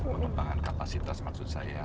pengembangan kapasitas maksud saya